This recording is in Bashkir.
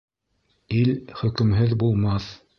Ил хөкөмһөҙ булмаҫ.